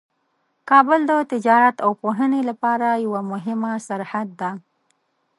کابل د تجارت او پوهنې لپاره یوه مهمه سرحد ده.